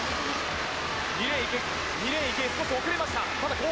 ２レーン、池江、２レーン、池江、少し遅れました。